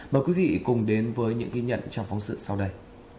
mời quý vị cùng đến với những ghi nhận trong phóng sự sau đây